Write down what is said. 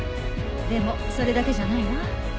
でもそれだけじゃないわ。